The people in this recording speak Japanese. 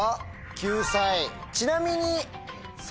救済。